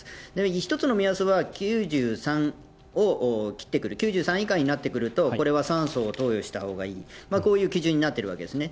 １つの目安は、９３を切ってくる、９３以下になってくると、これは酸素を投与したほうがいい、こういう基準になっているわけですね。